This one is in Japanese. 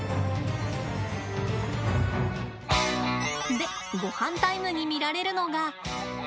で、ごはんタイムに見られるのが。